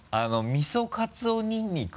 「みそかつおにんにく」